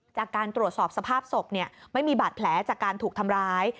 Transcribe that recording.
จากการตรวจสอบสภาพศพไม่มีบาดแผลจากการถูกทำร้าย